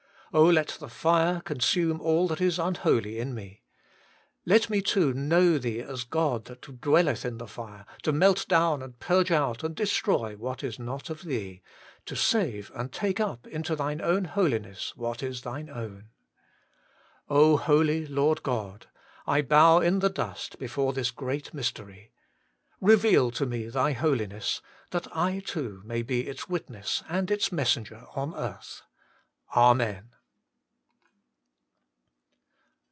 Oh, let the fire consume all that is unholy in me ! Let me 44 HOLY IN CHRIST. too know Thee as the God that dwelleth in the fire, to melt down and purge out and destroy what is not of Thee, to save and take up into Thine own Holiness what is Thine own. Holy Lord God ! I bow in the dust before this great mystery. Eeveal to me Thy Holiness, that I too may be its witness and its messenger on earth. Amen.